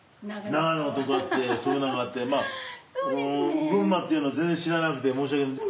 長野とかってそういうのがあって群馬っていうのは全然知らなくて。